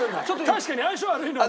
確かに相性が悪いのは。